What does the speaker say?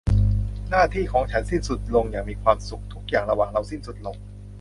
หน้าที่ของฉันสิ้นสุดลงอย่างมีความสุข ทุกอย่างระหว่างเราสิ้นสุดลง